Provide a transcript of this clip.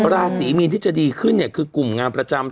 ราศีมีนที่จะดีขึ้นเนี่ยคือกลุ่มงานประจำ